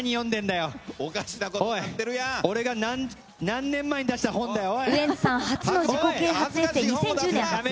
何年間に出した本だよ。